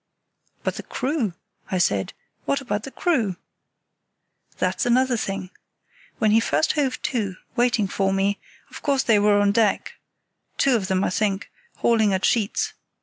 "But the crew?" I said; "what about the crew?" "That's another thing. When he first hove to, waiting for me, of course they were on deck (two of them, I think) hauling at sheets.